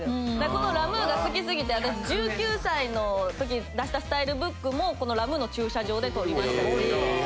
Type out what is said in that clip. このラ・ムーが好きすぎて私１９歳の時に出したスタイルブックもこのラ・ムーの駐車場で撮りましたし。